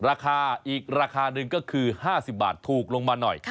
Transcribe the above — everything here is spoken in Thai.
ราคาอีกราคาหนึ่งก็คือ๕๐บาทถูกลงมาหน่อย